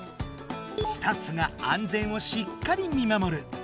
スタッフが安全をしっかり見まもる。